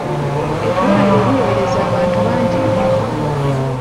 Eddwaliro liweereza abantu bangi nnyo